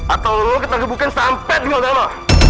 atau lu ketagih bukan sampai di nge drama